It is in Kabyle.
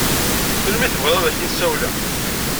Melmi i tebɣiḍ ad ak-n-siwleɣ?